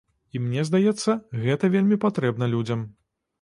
І мне здаецца, гэта вельмі патрэбна людзям.